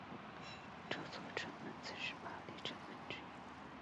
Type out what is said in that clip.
这座城门曾是巴黎城门之一。